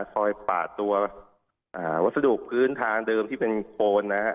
คอยป่าตัววัสดุพื้นทางเดิมที่เป็นโคนนะฮะ